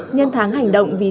nhân tháng hành động vì trẻ